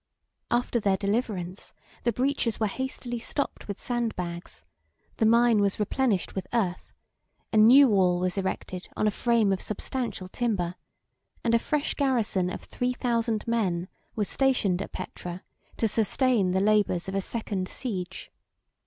After their deliverance, the breaches were hastily stopped with sand bags; the mine was replenished with earth; a new wall was erected on a frame of substantial timber; and a fresh garrison of three thousand men was stationed at Petra to sustain the labors of a second siege.